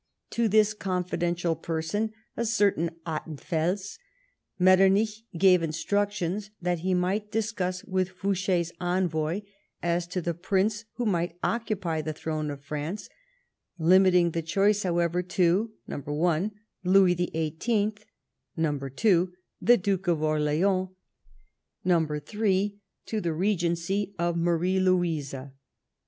To this confidential person (a certain Ottenfels) Mctternich gave instructions that he might discuss with Fouche's envoy as to the prince who might occupy the throne of France, limiting the choice, however, to, (1) Louis XVIII. ; (2) to the Duke of Orleans ; (3) to the regency of Marie Louise.